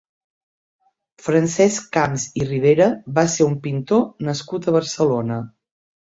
Francesc Camps i Ribera va ser un pintor nascut a Barcelona.